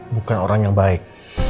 bukan orang yang baik